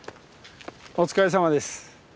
お疲れさまです。